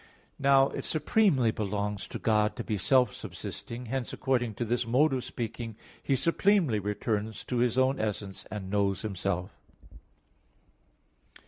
Now it supremely belongs to God to be self subsisting. Hence according to this mode of speaking, He supremely returns to His own essence, and knows Himself.